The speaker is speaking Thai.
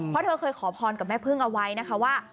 เพราะเธอเคยขอพรกับแม่พึ่งเอาไว้นะคะว่า